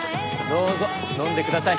どうぞ飲んでください。